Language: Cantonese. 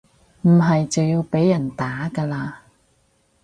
唔係就要被人打㗎喇